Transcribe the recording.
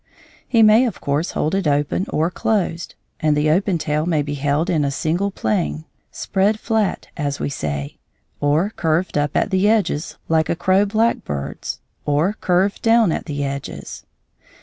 He may of course hold it open or closed; and the open tail may be held in a single plane, "spread flat," as we say; or curved up at the edges, like a crow blackbird's; or curved down at the edges.